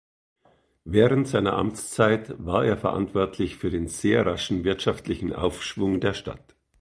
Während seiner Amtszeit war er verantwortlich für den sehr raschen wirtschaftlichen Aufschwung der Stadt.